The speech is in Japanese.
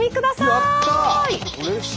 やった！